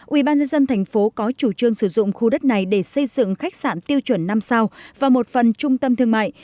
ủy ban nhân dân thành phố có chủ trương sử dụng khu đất này để xây dựng khách sạn tiêu chuẩn năm sao và một phần trung tâm thương mại